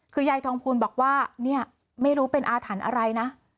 คือยายทองภูลบอกว่าเนี่ยไม่รู้เป็นอาถรรพ์อะไรนะ